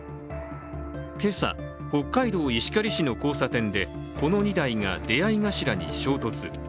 今朝、北海道石狩市の交差点でこの２台が出会い頭に衝突。